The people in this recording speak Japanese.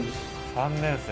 ３年生。